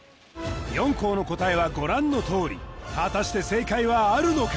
４校の答えはご覧の通り果たして正解はあるのか？